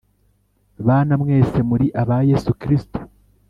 Bana mwese muri aba Yesu Kristo